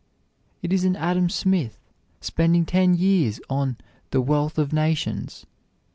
It is an Adam Smith, spending ten years on the "Wealth of Nations."